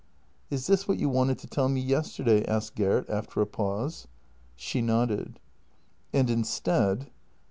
" Is this what you wanted to tell me yesterday? " asked Gert after a pause. She nodded. " And instead.